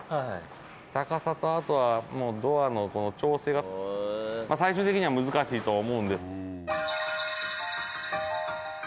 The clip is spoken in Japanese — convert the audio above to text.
高さとあとはもうドアの調整が最終的には難しいと思うんです。